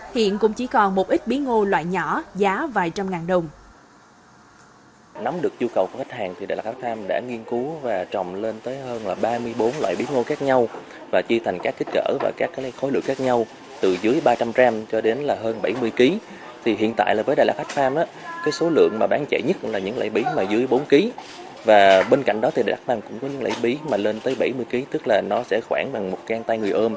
hiện cũng chỉ còn một ít bí ngô loại nhỏ giá vài trăm ngàn đồng